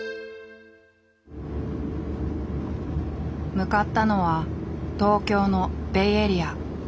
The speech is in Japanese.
向かったのは東京のベイエリア。